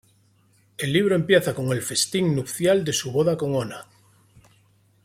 El libro empieza con el festín nupcial de su boda con Ona.